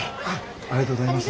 ありがとうございます。